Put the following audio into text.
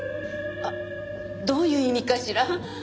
あどういう意味かしら？